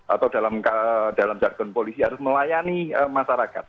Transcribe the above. atau dalam jargon polisi harus melayani masyarakat